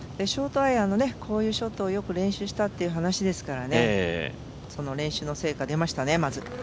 ショートアイアンのこういうショットをよく練習したという話でしたから練習の成果が出ましたね、まず。